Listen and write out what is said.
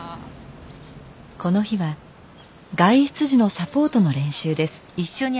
この日は外出時のサポートの練習です。